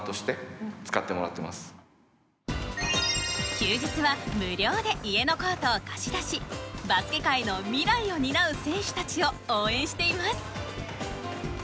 休日は無料で家のコートを貸し出しバスケ界の未来を担う選手たちを応援しています。